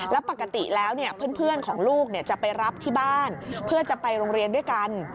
แล้วปกติแล้วเพื่อนของลูกจะไปรับที่บ้านเพื่อจะไปโรงเรียนด้วยกัน